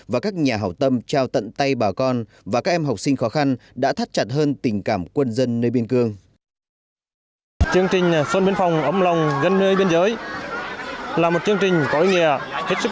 và các nhà hảo tâm trao tận tay bà con và các em học sinh khó khăn đã thắt chặt hơn tình cảm